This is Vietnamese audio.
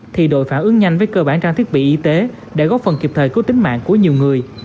thì đội phản ứng nhanh với cơ bản trang thiết bị y tế để góp phần kịp thời cứu tính mạng của nhiều người